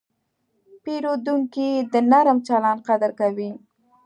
پیرودونکی د نرم چلند قدر کوي.